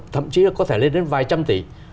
thậm chí có thể lên đến vài trăm tỷ